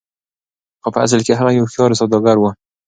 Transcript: خو په اصل کې هغه يو هوښيار سوداګر و.